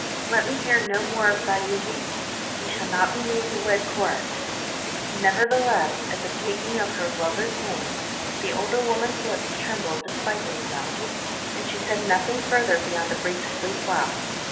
"Let me hear no more of thy weeping! Ye shall not be made to wed Corrus!" Nevertheless, at the speaking of her lover's name, the older woman's lips trembled despite themselves; and she said nothing further beyond a brief "Sleep well."